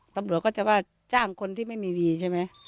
ตำรวจก็จะว่าจ้างคนที่ไม่มีวีใช่ไหม